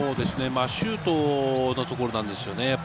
シュートのところですね。